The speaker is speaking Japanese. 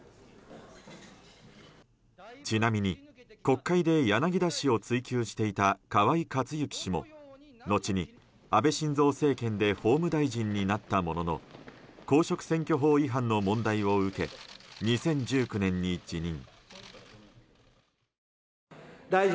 ちなみに、国会で柳田氏を追及していた、河井克行氏も後に安倍晋三政権で法務大臣になったものの公職選挙法違反の問題を受け２０１９年に辞任。